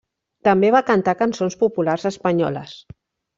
També va cantar cançons populars espanyoles.